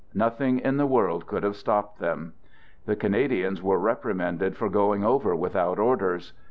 Nothing in the world could j have stopped them. ... The Canadians were reprimanded for going over I without orders.